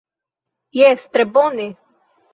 Jes tre bone!